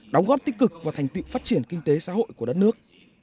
đóng góp tích cực vào thành tựu phát triển kinh tế xã hội của đất nước